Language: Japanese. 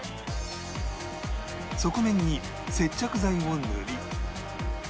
側面に接着剤を塗り